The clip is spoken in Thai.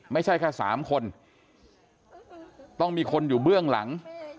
ไม่ใช่แค่สามคนต้องมีคนอยู่เบื้องหลัง